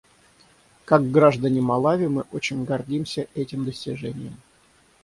Как граждане Малави мы очень гордимся этим достижением.